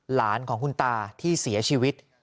หลานของคุณตาที่เสียชีวิต